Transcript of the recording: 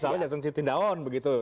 misalnya jasun siti daon begitu